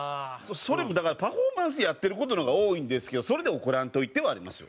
それもだからパフォーマンスやってる事の方が多いんですけど「それで怒らんといて」はありますよ。